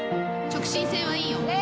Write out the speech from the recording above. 直進性はいいよ。